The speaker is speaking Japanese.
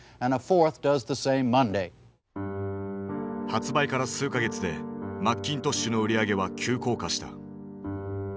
発売から数か月でマッキントッシュの売り上げは急降下した。